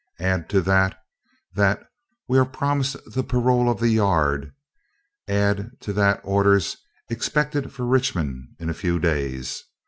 Add to that that we are promised the parole of the yard; add to that orders expected for Richmond in a few days.